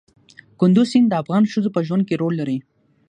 کندز سیند د افغان ښځو په ژوند کې رول لري.